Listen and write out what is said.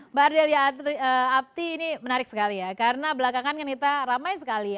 mbak ardelia abti ini menarik sekali ya karena belakangan kan kita ramai sekali